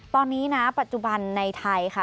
ตอนนี้นะปัจจุบันในไทยค่ะ